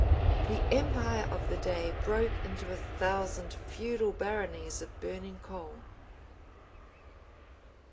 The empire of the day broke into a thousand feudal baronies of burning coal.